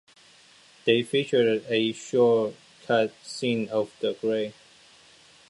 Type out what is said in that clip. They featured a short cut scene of the grave.